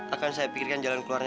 akan saya pikirkan jalan keluarnya